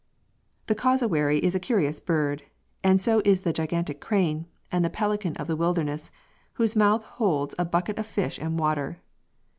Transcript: "The casawary is an curious bird, and so is the gigantic crane, and the pelican of the wilderness, whose mouth holds a bucket of fish and water.